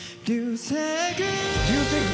「流星群」！